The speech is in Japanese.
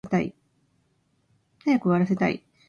早く終わらせたい